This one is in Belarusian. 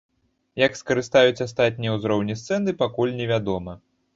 Як скарыстаюць астатнія ўзроўні сцэны пакуль невядома.